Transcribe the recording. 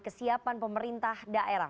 kesiapan pemerintah daerah